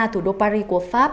thủ đô paris của pháp